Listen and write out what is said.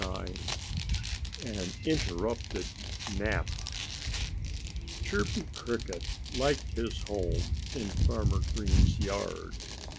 IX AN INTERRUPTED NAP Chirpy Cricket liked his home in Farmer Green's yard.